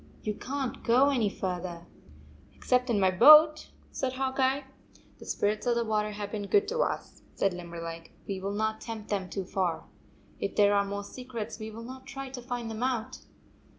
You can t go any farther." 162 " Except in my boat," said Hawk Eye. " The spirits of the water have been good to us," said Limberleg. " We will not tempt them too far. If there are more secrets, we will not try to find them out."